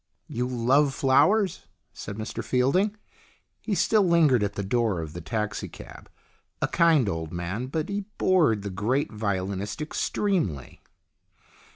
"You love flowers?" said Mr Fielding. He still lingered at the door of the taxi cab. A kind old man, but he bored the great violinist extremely.